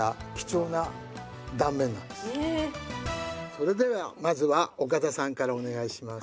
それではまずは岡田さんからお願いします。